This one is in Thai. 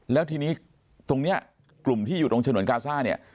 แล้วทีนี้ตรงนี้กลุ่มที่อยู่ตรงฉนวนกาซ่าเนี่ย